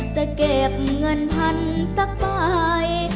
จะเก็บเงินพันธุ์สักปลาย